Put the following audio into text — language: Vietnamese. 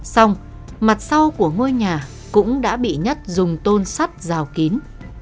xong mặt sau của ngôi nhà cũng đã bị nhất dùng tôn sắt rào kín